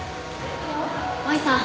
麻衣さん